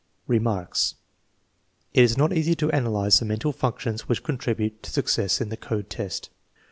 Remarks. It is not easy to analyze the mental functions which contribute to success in the code test.